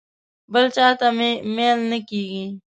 بل چاته مې میل نه کېږي.